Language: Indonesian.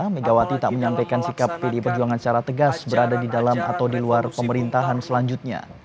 megawati tak menyampaikan sikap pdi perjuangan secara tegas berada di dalam atau di luar pemerintahan selanjutnya